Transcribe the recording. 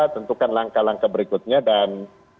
tentukan langkah langkah berikutnya dan